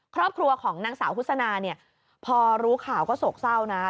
ครอบครัวของนางสาวคุศนาเนี่ยพอรู้ข่าวก็โศกเศร้านะ